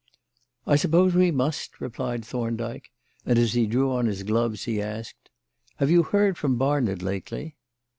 "I suppose we must," replied Thorndyke; and, as he drew on his gloves, he asked: "Have you heard from Barnard lately?"